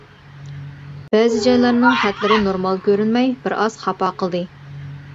بەزى جايلارنىڭ خەتلىرى نورمال كۆرۈنمەي بىر ئاز خاپا قىلدى.